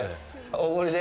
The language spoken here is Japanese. おごりで？